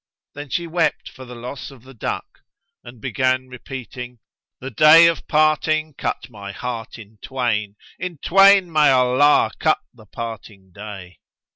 Then she wept for the loss of the duck and began repeating, "The day of parting cut my heart in twain:* In twain may Allah cut the parting day!